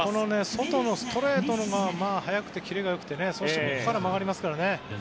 外のストレートが速くてキレが良くてそして、曲がりますからね。